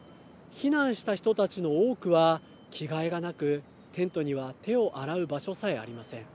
避難した人たちの多くは着替えがなくテントには手を洗う場所さえありません。